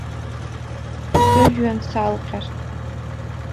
Шәыжәҩан салҟьар.